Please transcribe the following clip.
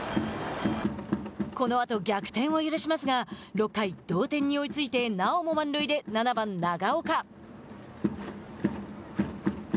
このあと、逆転を許しますが６回、同点に追いついてなおも満塁で７番長岡。